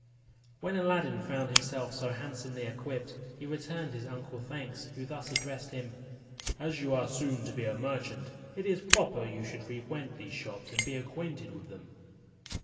When Aladdin found himself so handsomely equipped, he returned his uncle thanks, who thus addressed him: "As you are soon to be a merchant, it is proper you should frequent these shops, and be acquainted with them."